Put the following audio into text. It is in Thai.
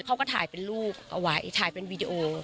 เขาก็ถ่ายเป็นรูปเอาไว้ถ่ายเป็นวีดีโอ